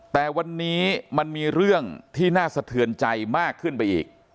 แต่วันนี้มันมีเรื่องที่น่าสะเทือนใจมากขึ้นไปอีก